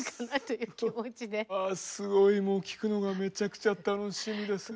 すごいもう聴くのがめちゃくちゃ楽しみです。